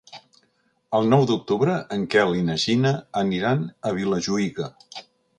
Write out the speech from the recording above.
El nou d'octubre en Quel i na Gina aniran a Vilajuïga.